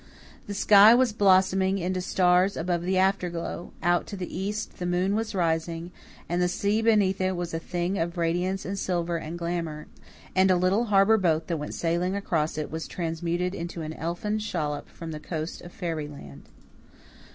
The sky was blossoming into stars above the afterglow; out to the east the moon was rising, and the sea beneath it was a thing of radiance and silver and glamour; and a little harbour boat that went sailing across it was transmuted into an elfin shallop from the coast of fairyland.